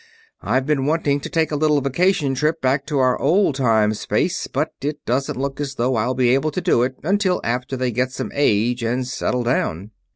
I've been wanting to take a little vacation trip back to our old time space, but it doesn't look as though I'll be able to do it until after they get some age and settle down."